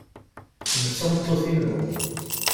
Kemm d tameṭṭut-inu.